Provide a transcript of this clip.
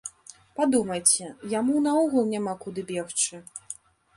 Падумайце, яму наогул няма куды бегчы.